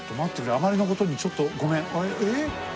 あまりのことに、ちょっとごめん、ええ？